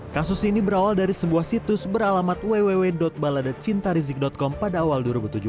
kasus ini berawal dari sebuah situs beralamat www baladacintarizik com pada awal dua ribu tujuh belas